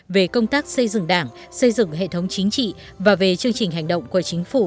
về công tác xây dựng đảng xây dựng hệ thống chính trị và về chương trình hành động của chính phủ